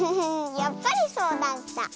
やっぱりそうだった。